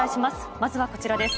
まずはこちらです。